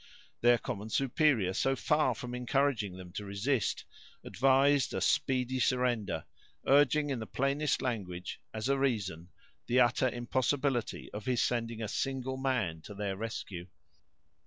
Their common superior, so far from encouraging them to resist, advised a speedy surrender, urging in the plainest language, as a reason, the utter impossibility of his sending a single man to their rescue.